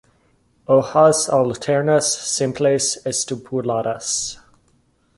Hojas alternas, simples, estipuladas.